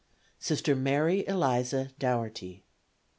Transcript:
Sister Mary Eliza Dougherty.